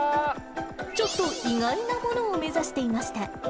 ちょっと意外なものを目指していました。